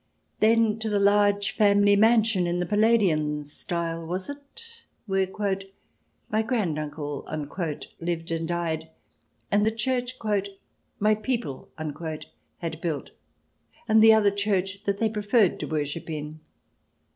Then to the large family mansion in the Palladian style — was it ?— where My grand uncle " lived and died, and the church " My people " had built and the other church that they preferred to worship in.